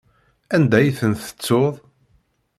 Anda ay ten-tettuḍ?